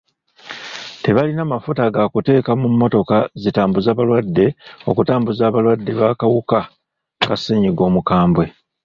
Tebalina mafuta ga kuteeka mu mmotoka zitambuza balwadde okutambuza abalwadde b'akawuka ka ssenyiga omukambwe.